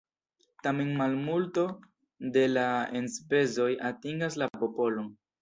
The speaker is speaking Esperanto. Tamen malmulto de la enspezoj atingas la popolon.